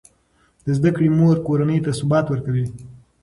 د زده کړې مور کورنۍ ته ثبات ورکوي.